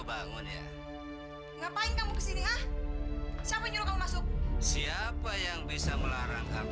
melenyapkan nyawa orang